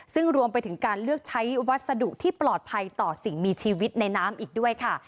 ซึ่งรวมไปถึงการเลือกใช้วัสดุที่ปลอดภัยต่อสิ่งมีชีวิตในน้ำอีกด้วยค่ะ